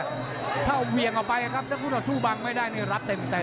ถ้าเหวี่ยงออกไปนะครับถ้าคู่ต่อสู้บังไม่ได้นี่รับเต็ม